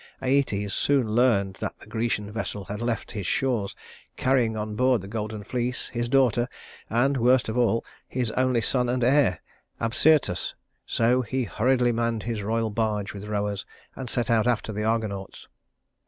Æetes soon learned that the Grecian vessel had left his shores, carrying on board the golden fleece, his daughter, and worst of all his only son and heir Absyrtus; so he hurriedly manned his royal barge with rowers, and set out after the Argonauts.